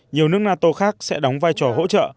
nhiều nước nato khác sẽ đóng vai trò hỗ trợ